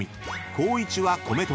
光一は米とぎ］